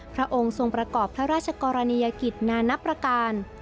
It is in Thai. พระองค์ทรงประกอบพระราชกรณียกิจนานับประการ